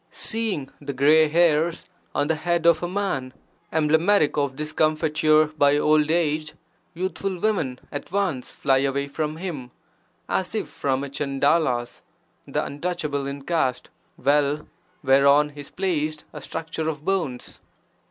Seeing the grey hairs on the head of a man, emblematic of discomfiture by old age, youthful women at once fly away from him, as if from a Chandala's (the untouchable in caste) well whereon is placed a structure of bones!